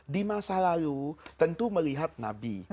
di masa lalu tentu melihat nabi